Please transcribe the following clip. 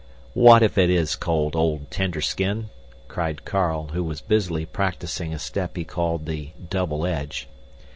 "What if it is cold, old Tender skin?" cried Carl, who was busily practicing a step he called the "double edge."